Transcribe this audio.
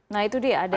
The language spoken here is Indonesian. nah itu dia ada